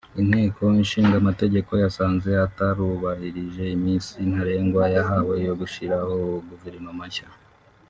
Inteko Ishingamategeko yasanze atarubahirije iminsi ntarengwa yahawe yo gushyiraho guverimoma nshya